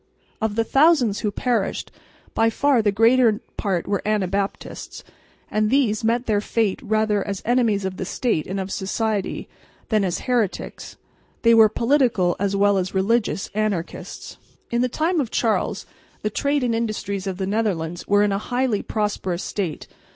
Of the thousands who perished, by far the greater part were Anabaptists; and these met their fate rather as enemies of the state and of society, than as heretics. They were political as well as religious anarchists. In the time of Charles the trade and industries of the Netherlands were in a highly prosperous state.